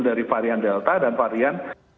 dari varian delta dan varian